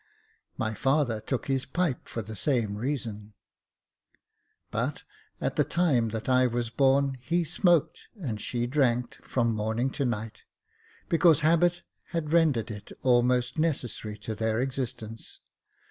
My father took his pipe for the same reason ; but, at the time that I was born, he smoked and she drank, from morning to night, because habit had rendered it almost necessary to their existence.